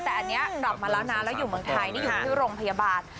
แต่อันนี้กลับมาแล้วนะแล้วอยู่เมืองไทยนี่อยู่ที่โรงพยาบาล